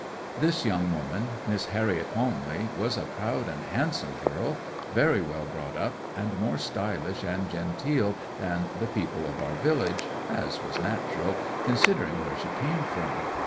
'This young woman—Miss Harriet Palmley—was a proud and handsome girl, very well brought up, and more stylish and genteel than the people of our village, as was natural, considering where she came from.